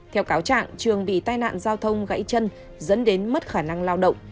theo cáo trạng trường bị tai nạn giao thông gãy chân dẫn đến mất khả năng lao động